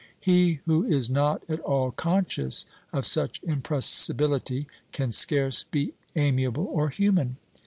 He who is not at all conscious of such impressibility can scarce be amiable or human.